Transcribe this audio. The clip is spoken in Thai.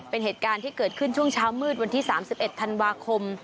เป็นเหตุการณ์ที่เกิดขึ้นช่วงเช้ามืดวันที่๓๑ธันวาคม